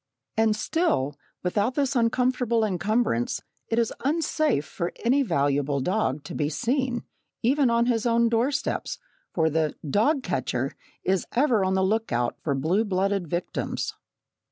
And still, without this uncomfortable encumbrance, it is unsafe for any valuable dog to be seen, even on his own doorsteps, for the "dog catcher" is ever on the look out for blue blooded victims.